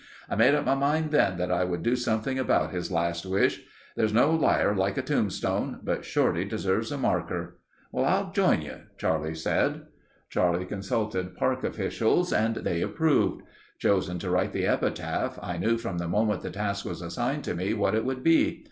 "I made up my mind then that I would do something about his last wish. There's no liar like a tombstone, but Shorty deserves a marker." "I'll join you," Charlie said. Charlie consulted Park officials and they approved. Chosen to write the epitaph, I knew from the moment the task was assigned to me what it would be.